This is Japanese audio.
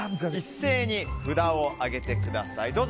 皆様、一斉に札を上げてください。